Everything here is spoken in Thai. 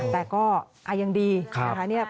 แต่ก็ยังดีนะคะ